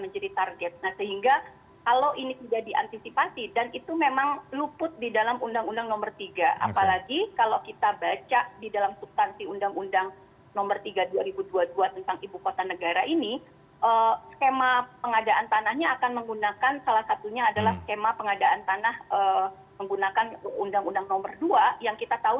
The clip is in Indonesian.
undang undang nomor dua yang kita tahu